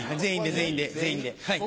・全員で全員で。